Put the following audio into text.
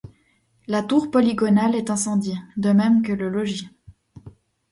La tour polygonale est incendiée, de même que le logis.